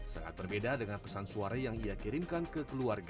sangat berbeda dengan pesan suara yang ia kirimkan ke keluarga